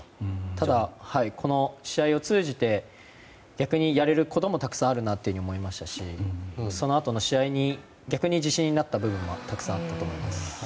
ただ、この試合を通じて逆にやれることもたくさんあるなというふうに思いましたしそのあとの試合に逆に自信になった部分もたくさんあったと思います。